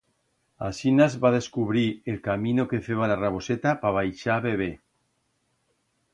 Asinas va descubrir el camino que feba la raboseta pa baixar a beber.